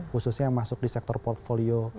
khususnya yang masuk di sektor portfolio